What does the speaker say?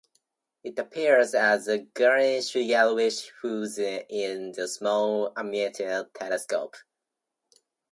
It appears as a greenish-yellowish hue in a small amateur telescope.